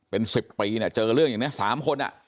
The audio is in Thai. เป็น๑๐ปีเนี่ยเจอเรื่องอย่างนี้๓คน